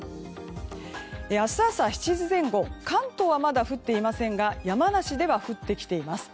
明日朝７時前後関東はまだ降っていませんが山梨では降ってきています。